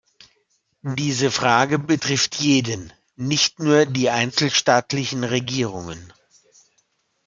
Diese Frage betrifft jeden, nicht nur die einzelstaatlichen Regierungen.